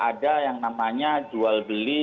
ada yang namanya jual beli